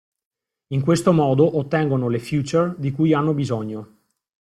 In questo modo ottengono le feature di cui hanno bisogno.